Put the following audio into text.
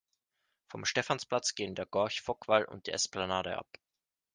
Vom Stephansplatz gehen der Gorch-Fock-Wall und die Esplanade ab.